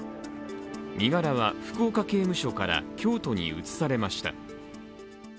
身柄は福岡刑務所から京都に移されました。